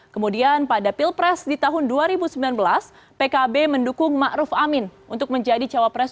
kemudian pada pilpres di tahun dua ribu sembilan belas pkb mendukung ⁇ maruf ⁇ amin untuk menjadi cawapres